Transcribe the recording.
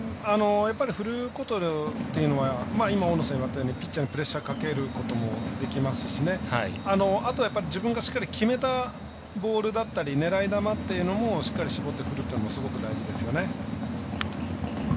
やっぱり振ることというのは今、大野さんが言われたようにピッチャーにプレッシャーかけることもできますしあと、自分がしっかり決めたボールだったり狙い球っていうのもしっかり絞って振るというのもすごく大事ですよね。